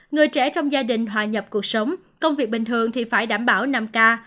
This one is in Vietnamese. người trẻ trong gia đình hòa nhập cuộc sống công việc bình thường thì phải đảm bảo năm ca